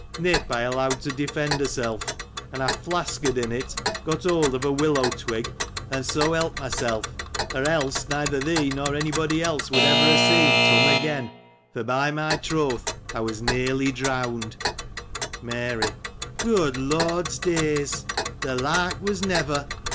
Nip I allowed to defend herself, and I flaskered^ in it, got hold of a willow twig, and so helped myself, or else, neither thee, nor any body else would ever have seen Turn again : for by my troth, I was nearly drown 'd. Mary. — Good Lord's days ! The like was never